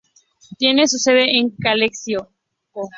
Tiene su sede en Calexico.